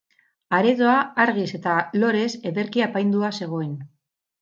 Aretoa argiz eta lorez ederki apaindua zegoen.